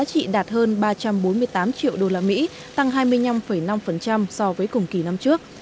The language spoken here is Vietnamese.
hơn ba trăm bốn mươi tám triệu đô la mỹ tăng hai mươi năm năm so với cùng kỳ năm trước